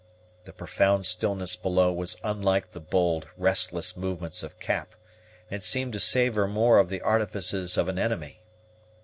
The profound stillness below was unlike the bold, restless movements of Cap, and it seemed to savor more of the artifices of an enemy.